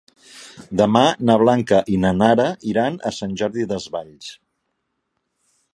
Demà na Blanca i na Nara iran a Sant Jordi Desvalls.